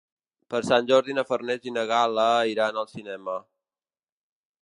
Per Sant Jordi na Farners i na Gal·la iran al cinema.